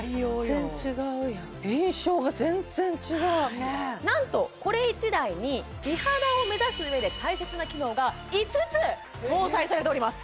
全然違うやん印象が全然違う何とこれ１台に美肌を目指すうえで大切な機能が５つ搭載されております